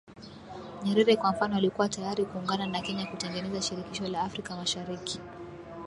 Nyerere kwa mfano alikuwa tayari kuungana na Kenya kutengeneza Shirikisho la Afrika Mashariki